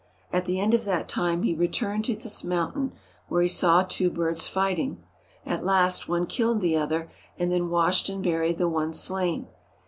At the end of that time he returned to this mountain, where he saw two birds fighting. At last one killed the other and then washed and buried the one slain.